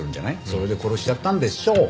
それで殺しちゃったんでしょう。